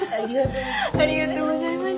ありがとうございます。